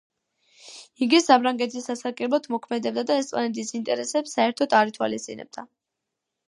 იგი საფრანგეთის სასარგებლოდ მოქმედებდა და ესპანეთის ინტერესებს საერთოდ არ ითვალისწინებდა.